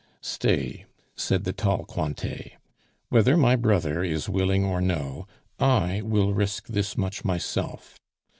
"Stay," said the tall Cointet, "whether my brother is willing or no, I will risk this much myself.